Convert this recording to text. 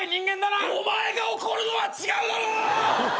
お前が怒るのは違うだろ！！